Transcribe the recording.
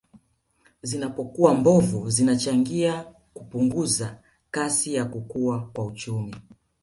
Zinazopokuwa mbovu zinachangia kupunguza kasi ya kukua kwa uchumi